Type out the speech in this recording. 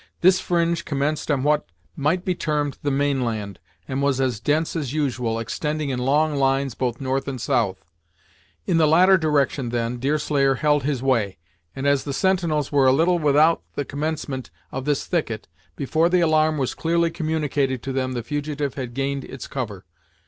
This fringe commenced on what might be termed the main land, and was as dense as usual, extending in long lines both north and south. In the latter direction, then, Deerslayer held his way, and, as the sentinels were a little without the commencement of this thicket, before the alarm was clearly communicated to them the fugitive had gained its cover.